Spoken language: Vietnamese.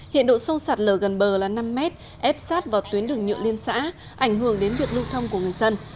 hiện độ sâu sạt lở gần bờ là năm mét ép sát vào tuyến đường nhựa liên xã ảnh hưởng đến việc lưu thông của người dân